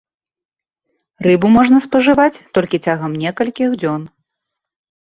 Рыбу можна спажываць толькі цягам некалькіх дзён.